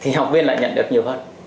thì học viên lại nhận được nhiều hơn